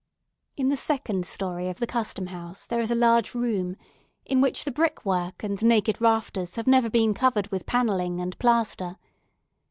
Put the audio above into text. In the second storey of the Custom House there is a large room, in which the brick work and naked rafters have never been covered with panelling and plaster.